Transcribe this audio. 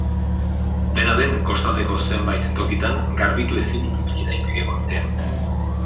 Dena den, kostaldeko zenbait tokitan garbitu ezinik ibili daiteke goizean.